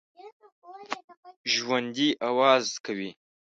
ژوندي آواز کوي